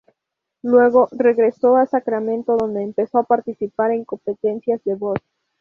Luego, regresó a Sacramento, donde empezó a participar en competencias de voz.